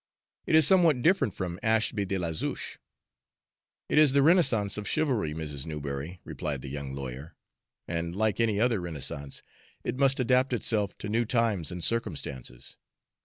"It is somewhat different from Ashby de la Zouch." "It is the renaissance of chivalry, Mrs. Newberry," replied the young lawyer, "and, like any other renaissance, it must adapt itself to new times and circumstances.